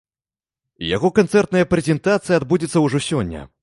Яго канцэртная прэзентацыя адбудзецца ўжо сёння.